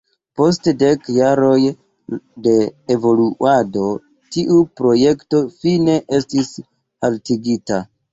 Post dek jaroj de evoluado tiu projekto fine estis haltigita.